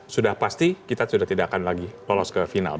sudah pasti kita sudah tidak akan lagi lolos ke final